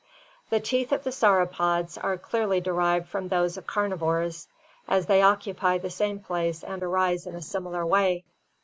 The teeth of the Sauropoda are clearly de rived from those of carnivores, as they occupy the same place and arise in a similar way.